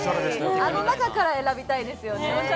あの中から選びたいですね。